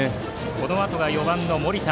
このあと４番、森田。